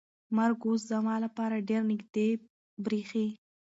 مرګ اوس زما لپاره ډېر نږدې برېښي.